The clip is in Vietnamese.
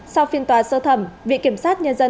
sau phiên tòa sơ thẩm viện kiểm sát nhân dân